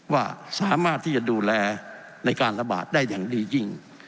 ว่าสามารถที่จะดูแลในการระบาดได้อย่างดียิ่ง